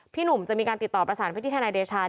หนุ่มจะมีการติดต่อประสานไปที่ทนายเดชา